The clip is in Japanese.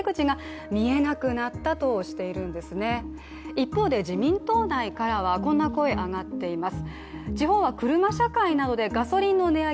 一方、自民党内からはこんな声が上がっています。